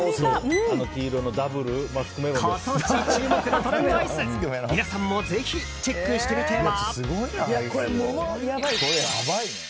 今季注目のトレンドアイス皆さんもぜひ、チェックしてみては？